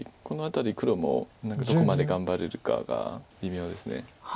この辺り黒も何かどこまで頑張れるかが微妙です。